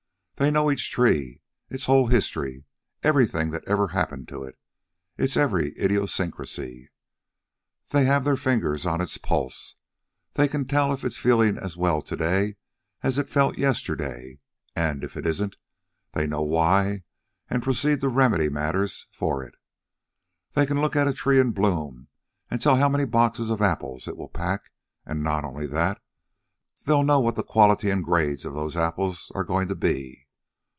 They know each tree, its whole history, everything that ever happened to it, its every idiosyncrasy. They have their fingers on its pulse. They can tell if it's feeling as well to day as it felt yesterday. And if it isn't, they know why and proceed to remedy matters for it. They can look at a tree in bloom and tell how many boxes of apples it will pack, and not only that they'll know what the quality and grades of those apples are going to be.